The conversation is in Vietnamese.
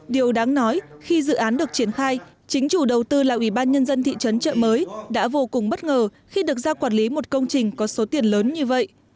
điều đáng nói khi dự án được triển khai chính chủ đầu tư là ủy ban nhân dân thị trấn trợ mới đã vô cùng bất ngờ khi được giao quản lý một công trình có số tiền lớn như vậy